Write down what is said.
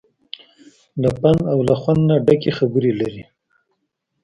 له پند او له خوند نه ډکې خبرې لري.